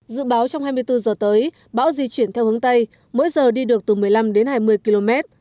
dự báo trong hai mươi bốn giờ tới bão di chuyển theo hướng tây mỗi giờ đi được từ một mươi năm đến hai mươi km